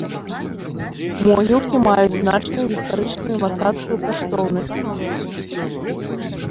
Могілкі маюць значную гістарычную і мастацкую каштоўнасць.